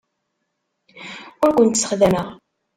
Ur kent-ssexdameɣ.